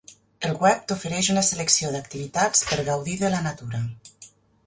El web t'ofereix una selecció d'activitats per gaudir de la natura.